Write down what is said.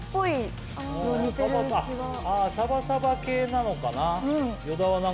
サバサバ系なのかな。